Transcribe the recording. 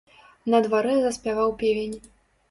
На дварэ заспяваў певень.